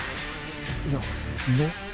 いやんで？